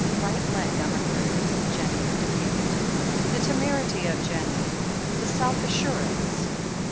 "Right leg, I'm afraid," Jennie indicated. The temerity of Jennie, the self assurance